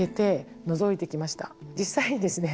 実際にですね